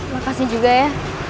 makasih juga ya